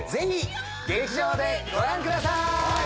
劇場でご覧ください。